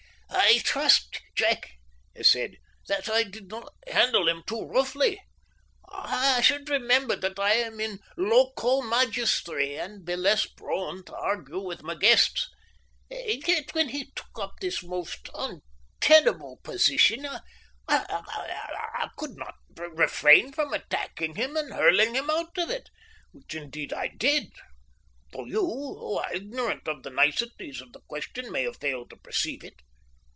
"I trust, Jack," he said, "that I did not handle him too roughly. I should remember that I am in loco magistri, and be less prone to argue with my guests. Yet, when he took up this most untenable position, I could not refrain from attacking him and hurling him out of it, which indeed I did, though you, who are ignorant of the niceties of the question, may have failed to perceive it.